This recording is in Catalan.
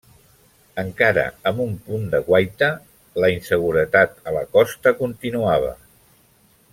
Encara amb un punt de guaita, la inseguretat a la costa continuava.